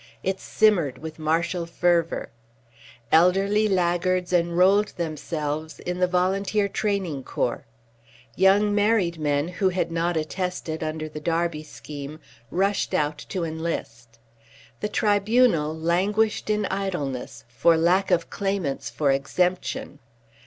It simmered with martial fervour. Elderly laggards enrolled themselves in the Volunteer Training Corps. Young married men who had not attested under the Derby Scheme rushed out to enlist. The Tribunal languished in idleness for lack of claimants for exemption.